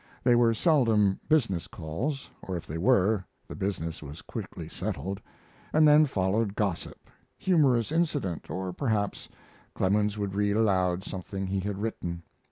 They were seldom business calls, or if they were, the business was quickly settled, and then followed gossip, humorous incident, or perhaps Clemens would read aloud something he had written.